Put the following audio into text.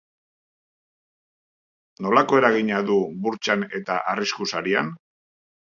Nolako eragina du burtsan eta arrisku sarian?